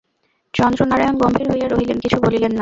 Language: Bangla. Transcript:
চন্দ্রনারায়ণ গম্ভীর হইয়া রহিলেন, কিছু বলিলেন না।